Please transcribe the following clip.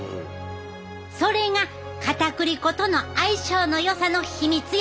それがかたくり粉との相性のよさの秘密やねん！